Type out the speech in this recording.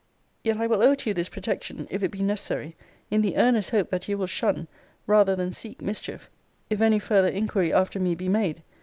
Yet I will owe to you this protection, if it be necessary, in the earnest hope that you will shun, rather than seek mischief, if any further inquiry after me be made.